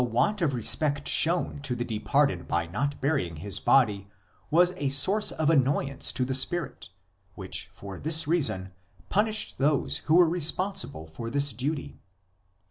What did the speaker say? MOURNING AND BURIAL CUSTOMS 179 want of respect shown to the departed by not burying his body was a source of annoyance to the spirit, which for this reason punished those who were responsible for this duty.